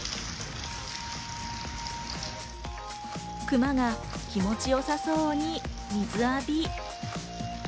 クマが気持ち良さそうに水を浴び。